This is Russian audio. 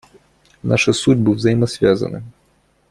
Наши судьбы взаимосвязаны.